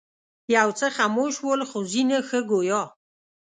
یو څه خموش ول خو ځینې ښه ګویا.